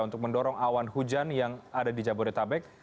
untuk mendorong awan hujan yang ada di jabodetabek